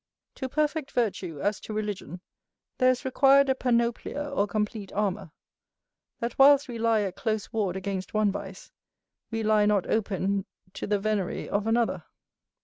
To perfect virtue, as to religion, there is required a panoplia, or complete armour; that whilst we lie at close ward against one vice, we lie not open to the veney of another.